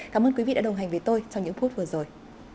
cảm ơn quý vị đã đồng hành với tôi trong những phút vừa rồi